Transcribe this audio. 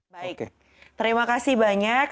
baik terima kasih banyak